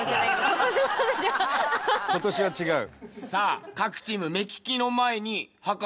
今年は違う？